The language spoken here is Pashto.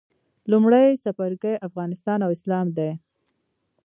لومړی څپرکی افغانستان او اسلام دی.